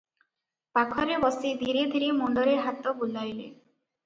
ପାଖରେ ବସି ଧୀରେ ଧୀରେ ମୁଣ୍ଡରେ ହାତ ବୁଲାଇଲେ ।"